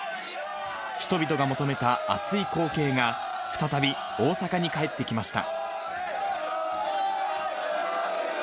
人々が求めた熱い光景が、再び大阪に帰ってきました。